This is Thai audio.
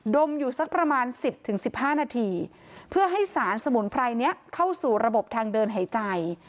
มอยู่สักประมาณ๑๐๑๕นาทีเพื่อให้สารสมุนไพรนี้เข้าสู่ระบบทางเดินหายใจ